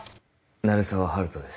鳴沢温人です